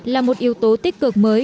là một yếu tố tích cực mới